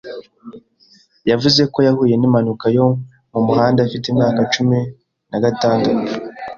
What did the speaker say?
Yavuze ko yahuye n’impanuka yo mu muhanda afite imyaka cumi nagatandatu.